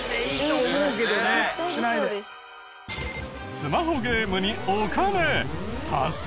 スマホゲームにお金多数派は。